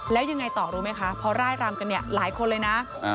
แล้วยังไงต่อรู้ไหมคะพอร่ายรำกันเนี่ยหลายคนเลยนะ